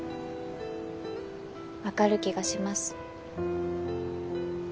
わかる気がします。